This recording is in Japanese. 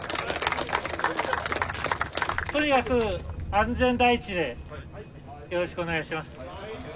・安全第一でよろしくお願いします。